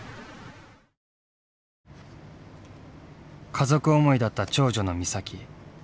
家族思いだった長女の美咲。